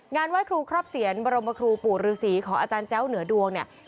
ไหว้ครูครอบเสียนบรมครูปู่ฤษีของอาจารย์แจ้วเหนือดวงเนี่ย